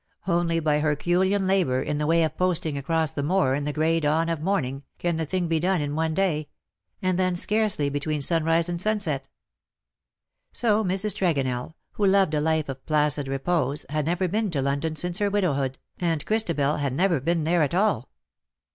Only by herculean labour, in the way of posting across the moor in the grey dawn of morning, can the thing be done in one day ; and then scarcely between sunrise and sunset. So Mrs. Tregonell, who loved a life of placid repose, had never been to London since her widowhood, and Christabel had never been there at all.